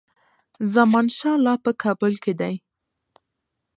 زمانشاه لا په کابل کې دی.